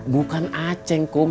bukan aceh kum